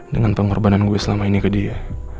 dengan pengorbanan gue selama ini ke dia